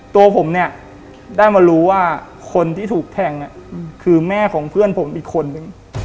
ตัวผมเนี่ยได้มารู้ว่าคนที่ถูกแทงคือแม่ของเพื่อนผมอีกคนนึง